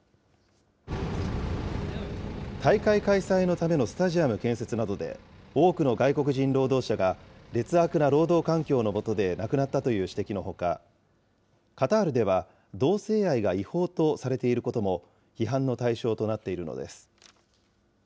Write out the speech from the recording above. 大会開催のためのスタジアム建設などで、多くの外国人労働者が劣悪な労働環境のもとで亡くなったという指摘のほか、カタールでは同性愛が違法とされていることも批判の対象となっているのです。